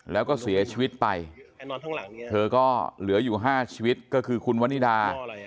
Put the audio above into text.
แล้วก็เสียชีวิตไปเธอก็เหลืออยู่๕ชีวิตก็คือคุณวนิดา